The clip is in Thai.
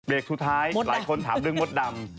สุดท้ายหลายคนถามเรื่องมดดำ